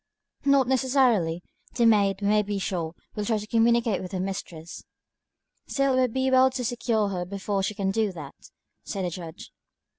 "Not necessarily. The maid, we may be sure, will try to communicate with her mistress." "Still, it would be well to secure her before she can do that," said the Judge.